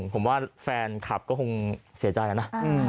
ผมว่าแฟนคลับก็คงเสียใจนะ